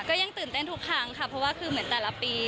ก็ยังตื่นเต้นทุกครั้งค่ะเพราะว่าคือเหมือนแต่ละปี